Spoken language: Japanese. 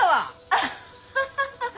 アハハハハッ！